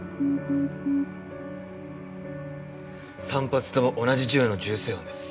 ３発とも同じ銃の銃声音です。